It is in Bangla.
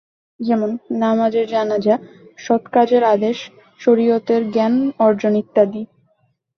যেমন: নামাজের জানাজা, সৎ কাজের আদেশ, শরিয়তের জ্ঞান অর্জন ইত্যাদি।